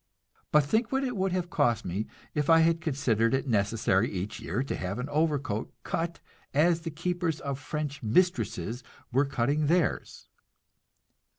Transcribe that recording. But think what it would have cost me if I had considered it necessary each year to have an overcoat cut as the keepers of French mistresses were cutting theirs!